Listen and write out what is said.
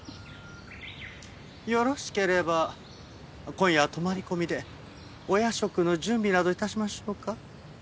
よろしければ今夜は泊まり込みでお夜食の準備など致しましょうか？